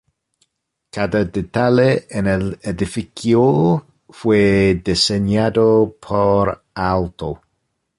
Cada detalle en el edificio fue diseñado por Aalto.